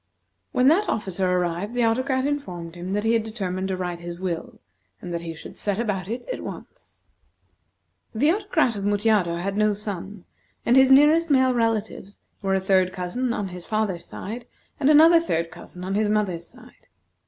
When that officer arrived, the Autocrat informed him that he had determined to write his will, and that he should set about it at once. The Autocrat of Mutjado had no son, and his nearest male relatives were a third cousin on his father's side, and another third cousin on his mother's side.